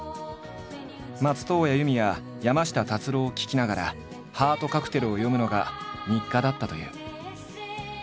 松任谷由実や山下達郎を聴きながら「ハートカクテル」を読むのが日課だったという。